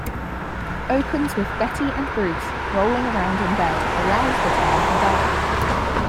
Opens with Betty and Bruce rolling around in bed around the time he died.